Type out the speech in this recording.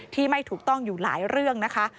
ไม่ถูกต้องอยู่หลายเรื่องนะคะ